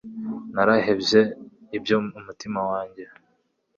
Narahevye ibyo umutima wanjye